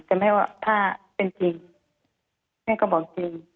แต่แม่ว่าถ้าเป็นจริงแม่ก็บอกจริง